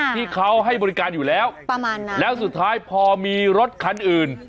ที่เขาให้บริการอยู่แล้วแล้วสุดท้ายพอมีรถคันอื่น